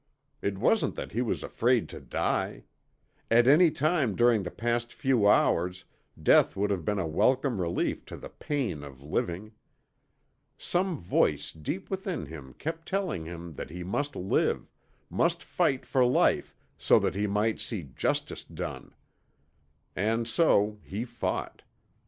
It wasn't that he was afraid to die. At any time during the past few hours death would have been a welcome relief to the pain of living. Some voice deep within him kept telling him that he must live, must fight for life so that he might see justice done. And so he fought.